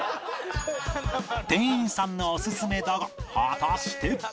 店員さんのオススメだが果たして？